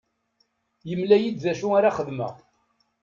Yemla-iyi-d d acu ara xedmeɣ.